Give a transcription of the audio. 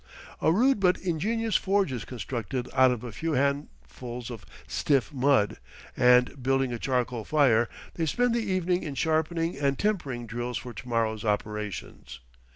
A rude but ingenious forge is constructed out of a few handfuls of stiff mud, and, building a charcoal fire, they spend the evening in sharpening and tempering drills for tomorrow's operations.